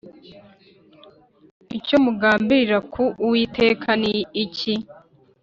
Icyo mugambirira ku Uwiteka ni iki?